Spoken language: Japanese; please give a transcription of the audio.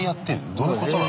どういうことなの？